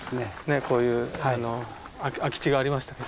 ねえこういう空き地がありましたけど。